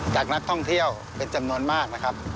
จากนักท่องเที่ยวเป็นจำนวนมากนะครับ